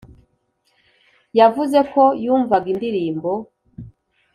yavuze ko yumvaga indirimbo